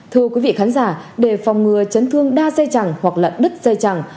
thưa quý vị khán giả để phòng ngừa chấn thương đa dây chẳng hoặc đứt dây chẳng